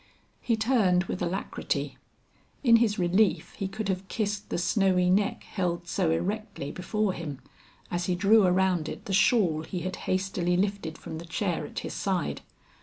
He turned with alacrity. In his relief he could have kissed the snowy neck held so erectly before him, as he drew around it the shawl he had hastily lifted from the chair at his side.